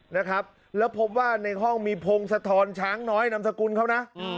นะครับแล้วพบว่าในห้องมีพงศธรช้างน้อยนามสกุลเขานะ